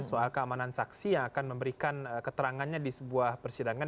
soal keamanan saksi yang akan memberikan keterangannya di sebuah persidangan